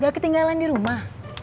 gak ketinggalan di rumah